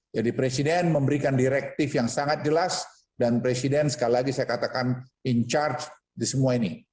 jadi presiden memberikan direktif yang sangat jelas dan presiden sekali lagi saya katakan in charge di semua ini